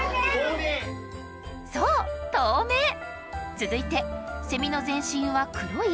続いてセミの全身は黒い？